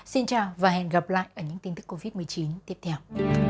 xin chào và hẹn gặp lại ở những tin tức covid một mươi chín tiếp theo